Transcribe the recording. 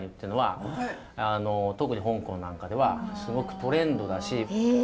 特に香港なんかではすごくトレンドだし